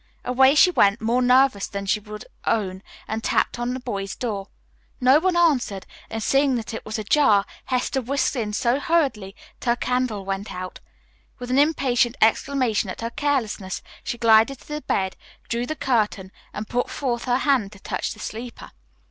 Away she went, more nervous than she would own, and tapped at the boy's door. No one answered, and, seeing that it was ajar, Hester whisked in so hurriedly that her candle went out. With an impatient exclamation at her carelessness she glided to the bed, drew the curtain, and put forth her hand to touch the sleeper.